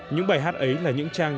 những bài hát ấy là những trang